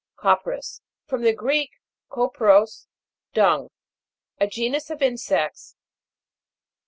CO'PRIS. From the Greek, kopros, dung. A genus of insects.